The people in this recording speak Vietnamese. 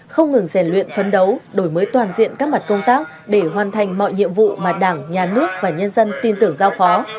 không ngừng rèn luyện phấn đấu đổi mới toàn diện các mặt công tác để hoàn thành mọi nhiệm vụ mà đảng nhà nước và nhân dân tin tưởng giao phó